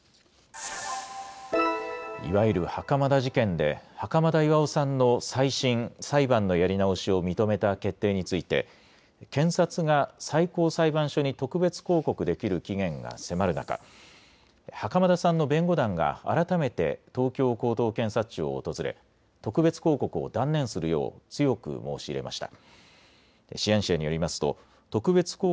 いわゆる袴田事件で、袴田巌さんの再審・裁判のやり直しを認めた決定について、検察が最高裁判所に特別抗告できる期限が迫る中、袴田さんの弁護団が、改めて東京高等検察庁を訪れ、特別抗告を断念するよう、強く申し入れました。